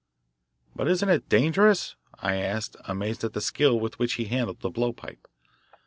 "But isn't it dangerous?" I asked, amazed at the skill with which he handled the blowpipe.